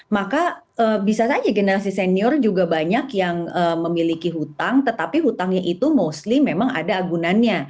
maka bisa saja generasi senior juga banyak yang memiliki hutang tetapi hutangnya itu mostly memang ada agunannya